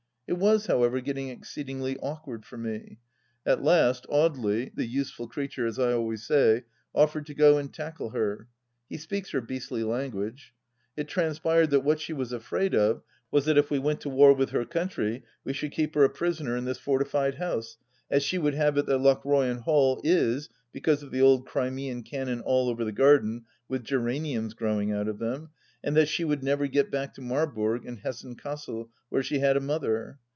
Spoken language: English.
It was however getting exceedingly awkward for me. At last Audely — the useful creature, as I always say — offered to go and tackle her. He speaks her beastly language. It trans pired that what she was afraid of was that if we went to war with her country we should keep her a prisoner in this fortified house, as she would have it that Lochroyan Hall is — ^because of the old Crimean cannon all over the garden, with gera niums growing out of them !— and that she would never get back to Marburg in Hessen Cassel, where she had a mother.